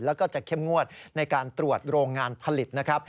แล้วก็จะเข้มงวดในการตรวจโรงงานผลิตนะครับ